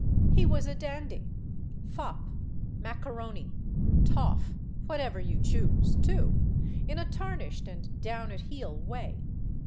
He was a dandy fop macaroni toff whatever you choose, too; in a tarnished and down at heel way.